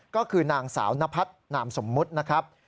ก็คือนางสาวนพัฒนามสมมุตินะครับ